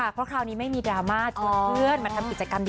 เพราะคราวนี้ไม่มีดราม่าชวนเพื่อนมาทำกิจกรรมดี